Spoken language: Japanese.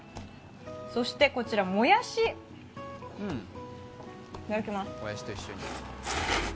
そしてこちら、もやし、いただきます。